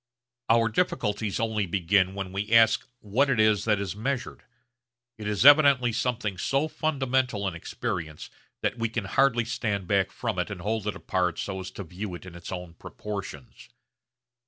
Our difficulties only begin when we ask what it is that is measured. It is evidently something so fundamental in experience that we can hardly stand back from it and hold it apart so as to view it in its own proportions.